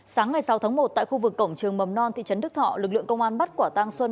sáng ngày sáu tháng một tại khu vực cổng trường mầm non thị trấn đức thọ lực lượng công an bắt quả tăng xuân